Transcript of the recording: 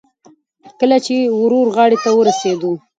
کله چې د ورد غاړې ته ورسېدو.